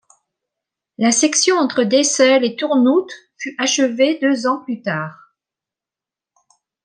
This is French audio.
La section entre Dessel et Turnhout fut achevée deux ans plus tard.